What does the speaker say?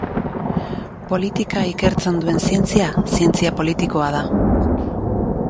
Politika ikertzen duen zientzia, zientzia politikoa da.